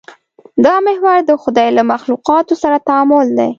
دا محور د خدای له مخلوقاتو سره تعامل دی.